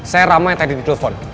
saya rama yang tadi di telpon